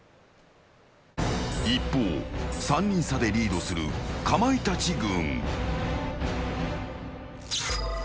一方、３人差でリードするかまいたち軍。